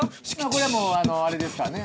これはもうあれですからね